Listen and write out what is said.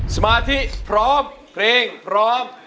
สมาธิพร้อมเพลงพร้อม